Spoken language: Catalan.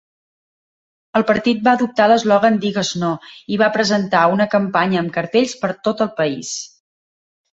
El partit va adoptar l'eslògan "Digues no" i va presentar una campanya amb cartells per tot el país.